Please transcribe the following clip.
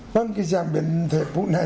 vâng cái dạng biến thể phụ này